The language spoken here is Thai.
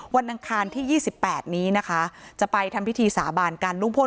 อังคารที่๒๘นี้นะคะจะไปทำพิธีสาบานกันลุงพล